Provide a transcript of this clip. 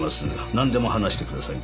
「なんでも話してください。